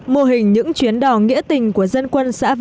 mô hình những chuyến đò nghĩa tình của dân quân xã vĩnh phú